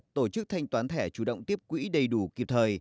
tổ chức thanh toán thẻ chủ động tiếp quỹ đầy đủ kịp thời